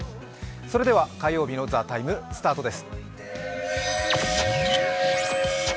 それでは火曜日の「ＴＨＥＴＩＭＥ，」スタートです！